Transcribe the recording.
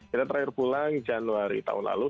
kita terakhir pulang januari tahun lalu